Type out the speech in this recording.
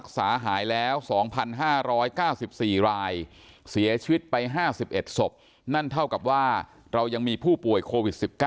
เสียชีวิตไป๕๑ศพนั่นเท่ากับว่าเรายังมีผู้ป่วยโควิด๑๙